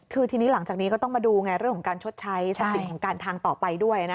คือทีนี้หลังจากนี้ก็ต้องมาดูไงเรื่องของการชดใช้ทรัพย์สินของการทางต่อไปด้วย